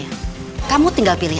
cari membandingkan diri